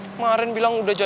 kemarin bilang udah jauh